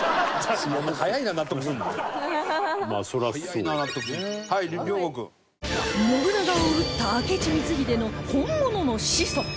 信長を討った明智光秀の本物の子孫